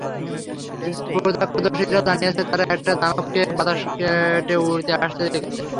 প্রত্যক্ষদর্শীরা জানিয়েছে, তারা একটা দানবকে বাতাস কেটে উড়ে আসতে দেখেছে।